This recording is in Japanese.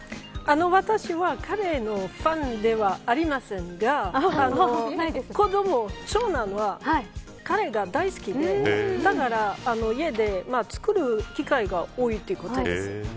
私はカレーのファンではありませんが長男はカレーが大好きでだから家で作る機会が多いということです。